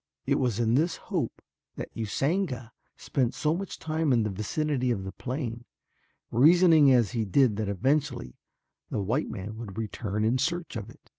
It was in this hope that Usanga spent so much time in the vicinity of the plane, reasoning as he did that eventually the white man would return in search of it.